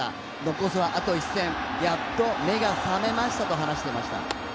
残すはあと一戦やっと目が覚めたと話していました。